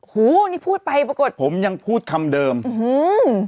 หูนี่พูดไปปรากฏผมยังพูดคำเดิมอื้อหือ